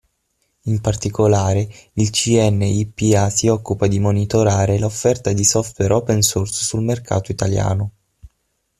In particolare, il CNIPA si occupa di monitorare l'offerta di software open source sul mercato italiano.